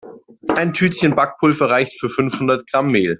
Ein Tütchen Backpulver reicht für fünfhundert Gramm Mehl.